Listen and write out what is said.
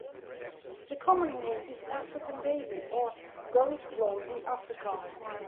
The common name is "African daisy", or "Gousblom" in Afrikaans.